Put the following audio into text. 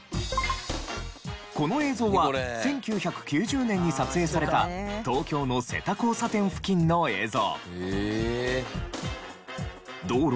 この映像は１９９０年に撮影された東京の瀬田交差点付近の映像。